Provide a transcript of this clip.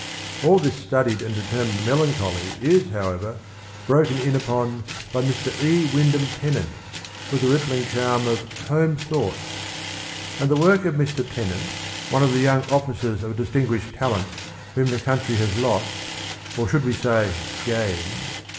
All this studied and determined melancholy is, however, broken in upon by Mr. E. Wyndham Tennant with the rippling charm of ' Home Thoughts,' and the work of Mr. Tennant, one of the young officers of distinguished talent 105 H whom the country has lost — or should we say gained